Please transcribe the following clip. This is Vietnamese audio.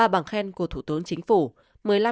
ba bằng khen của thủ tướng chính phủ